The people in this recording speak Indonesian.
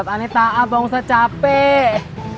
aneh taat bang ustadz capek